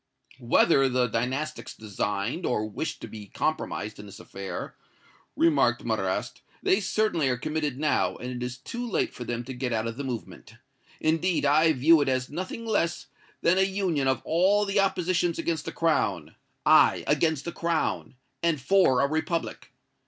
"Whether the Dynastics designed or wished to be compromised in this affair," remarked Marrast, "they certainly are committed now, and it is too late for them to get out of the movement. Indeed, I view it as nothing less than a union of all the oppositions against the Crown aye, against the Crown, and for a republic!